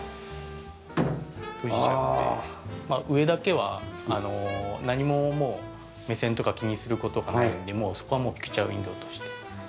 閉じちゃって上だけは何ももう目線とか気にする事がないのでそこはもうピクチャーウィンドーとして。